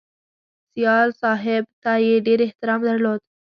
سیال صاحب ته یې ډېر احترام درلود